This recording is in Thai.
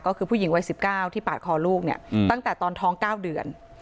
ก็คือผู้หญิงวัย๑๙ที่ปาดคอลูกเนี่ยตั้งแต่ตอนท้อง๙เดือน